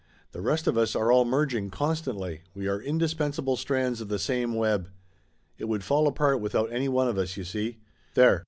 The rest of us are all merging, constantly. We are indispensable strands of the same web. It would fall apart without any one of us, you see. There